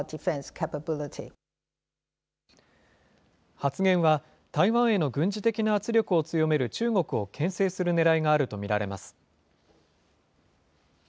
発言は、台湾への軍事的な圧力を強める中国をけん制するねらいがあると見られます。